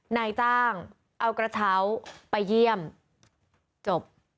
นายจ้างเอากระเช้าไปเยี่ยมจบ